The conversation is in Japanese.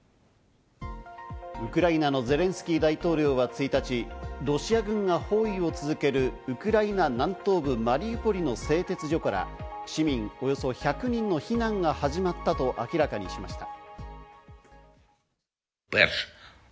ウクライナのゼレンスキー大統領は１日、ロシア軍が包囲を続けるウクライナ南東部マリウポリの製鉄所から市民およそ１００人の避難が始まったと明らかにしました。